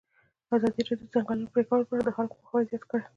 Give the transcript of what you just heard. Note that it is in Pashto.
ازادي راډیو د د ځنګلونو پرېکول په اړه د خلکو پوهاوی زیات کړی.